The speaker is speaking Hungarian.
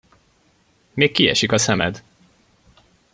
Még kiesik a szemed!